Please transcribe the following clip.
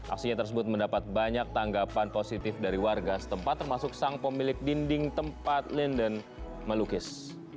aksinya tersebut mendapat banyak tanggapan positif dari warga setempat termasuk sang pemilik dinding tempat linden melukis